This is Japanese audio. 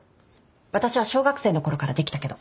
私は小学生のころからできたけど。